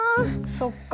そっか。